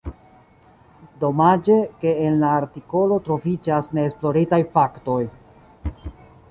Domaĝe, ke en la artikolo troviĝas neesploritaj faktoj.